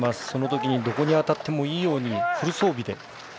そのときにどこに当たってもいいようにフル装備で。